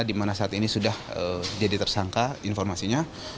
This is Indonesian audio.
dimana saat ini sudah jadi tersangka informasinya